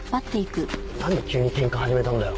何で急にケンカ始めたんだよ？